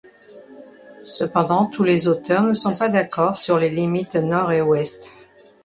Cependant tous les auteurs ne sont pas d'accord sur les limites Nord et Ouest.